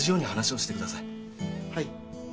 はい。